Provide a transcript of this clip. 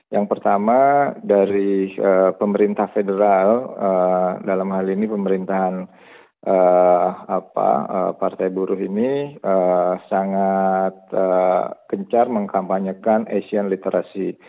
yang pertama dari pemerintah federal dalam hal ini pemerintahan partai buruh ini sangat gencar mengkampanyekan asian literacy